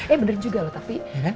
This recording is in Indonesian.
eh bener juga loh tapi